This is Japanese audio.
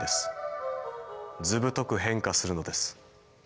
ずぶとく変化するのです。